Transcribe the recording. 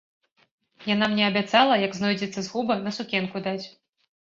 Яна мне абяцала, як знойдзецца згуба, на сукенку даць.